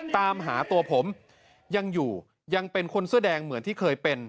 ตามหาตัวผมยังอยู่ยังเป็นคนเสื้อแดงเหมือนที่เคยเป็น